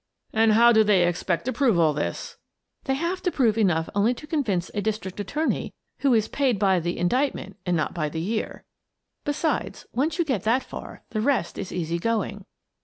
" And how do they expect to prove all this? " "They have to prove enough only to convince a district attorney who is paid by the indictment and not by the year. Besides, once you get that far, the rest is easy going."